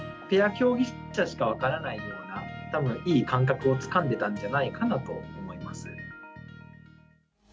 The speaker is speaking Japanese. ペア競技者しか分からないような、たぶん、いい感覚をつかんでたんじゃないかなと思います。